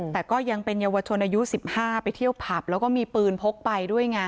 แต่ก็ยังเป็นเยาวชนอายุ๑๕ไปเที่ยวผับแล้วก็มีปืนพกไปด้วยไง